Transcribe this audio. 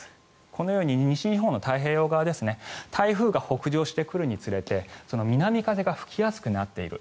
このように西日本の太平洋側台風が北上してくるにつれて南風が吹きやすくなっている。